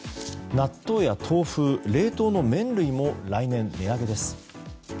納豆や豆腐、冷凍の麺類も来年値上げです。